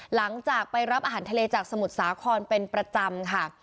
หลังจากไปรับอาหารทะเลจากสมุทรสาครเป็นประจำค่ะ